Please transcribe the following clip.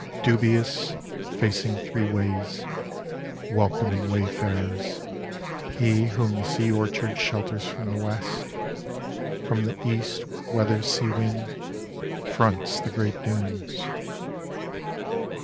Dubious, Facing three ways, Welcoming wayfarers, He whom the sea orchardShelters from the west, From the eastWeathers sea wind; Fronts the great dunes.